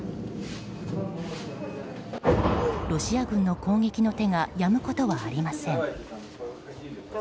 ロシア軍の攻撃の手がやむことはありません。